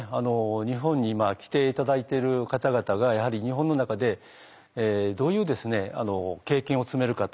日本に来て頂いてる方々がやはり日本の中でどういう経験を積めるかと。